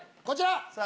こちら。